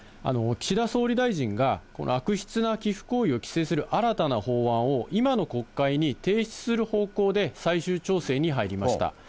岸田総理大臣が、悪質な寄付行為を規制する新たな法案を、今の国会に提出する方向で、最終調整に入りました。